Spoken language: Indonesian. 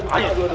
nggak mau ikut